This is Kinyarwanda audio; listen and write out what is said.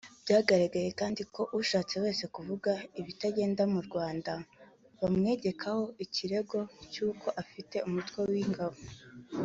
Byagaragaye kandi ko ushatse wese kuvuga ibitagenda mu Rwanda bamwegekaho ikirego cy’uko afite umutwe w’ingabo